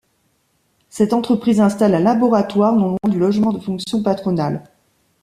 Cette entreprise installe un laboratoire non loin du logement de fonction patronal.